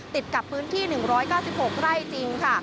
ติดกับพื้นที่๑๙๖ไร่จริงค่ะ